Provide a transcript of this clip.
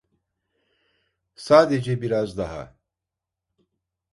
Sadece biraz daha.